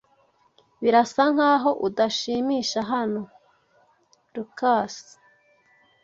Birasa nkaho udashimisha hano. (lucasjl)